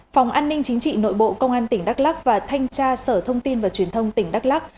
phòng an ninh chính trị nội bộ công an tỉnh đắk lắc và thanh tra sở thông tin và truyền thông tỉnh đắk lắc